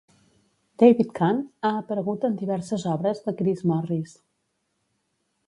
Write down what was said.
David Cann ha aparegut en diverses obres de Chris Morris.